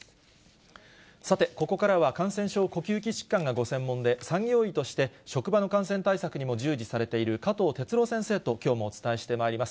さて、ここからは感染症、呼吸器疾患がご専門で産業医として職場の感染対策にも従事されている加藤哲朗先生ときょうもお伝えしてまいります。